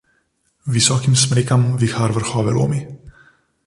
Visokim smrekam vihar vrhove lomi.